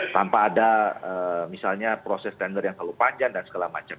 tanpa ada misalnya proses tender yang terlalu panjang dan segala macam